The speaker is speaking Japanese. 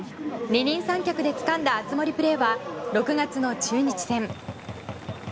二人三脚でつかんだ熱盛プレーは６月の中日戦。